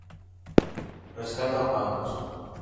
Rescatan bancos.